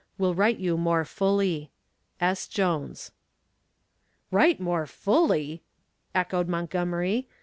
Will write you more fully. S. JONES. "Write more fully!" echoed Montgomery.